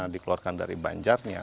dikeluarkan dari banjarnya